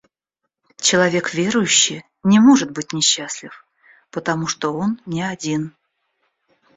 Человек верующий не может быть несчастлив, потому что он не один.